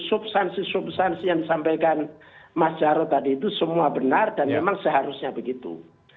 substansi substansi yang disampaikan mas jarod tadi itu semua benar dan memang seharusnya begitu